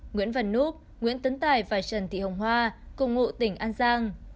nguyễn văn núp nguyễn tấn tài và trần thị hồng hoa cùng ngụ tỉnh an giang